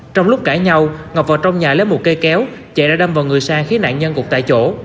trong lúc cãi nhậu ngọc vào trong nhà lấy một cây kéo chạy ra đâm vào người sang khi nạn nhân gục tại chỗ